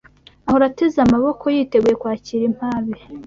Ahora ateze amaboko, yiteguye kwakira impabe